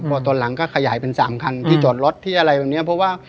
พอตอนหลังก็ขยายเป็นสามคันที่จอดรถที่อะไรแบบนี้เพราะว่า